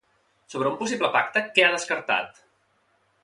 Sobre un possible pacte, què ha descartat?